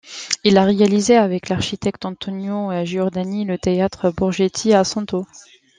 Il a réalisé avec l'architecte Antonio Giordani le théâtre Borgetti, à Cento.